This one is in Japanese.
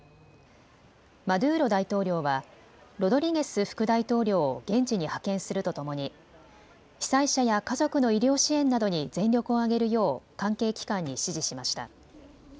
マドゥーロ大統領はロドリゲス副大統領を現地に派遣するとともに、被災者や家族の医療支援などに全力を挙げるよう関係機関に指示しました。